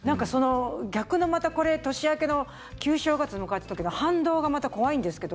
逆にまたこれ、年明けの旧正月を迎えた時の反動がまた怖いんですけど。